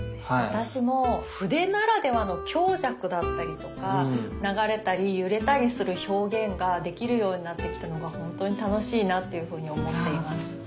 私も筆ならではの強弱だったりとか流れたり揺れたりする表現ができるようになってきたのが本当に楽しいなというふうに思っています。